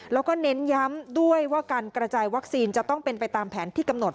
แล้วก็เน้นย้ำด้วยว่าการกระจายวัคซีนจะต้องเป็นไปตามแผนที่กำหนด